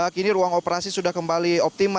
kini ruang operasi sudah kembali optimal